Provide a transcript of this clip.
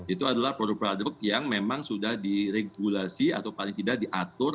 itu adalah produk produk yang memang sudah diregulasi atau paling tidak diatur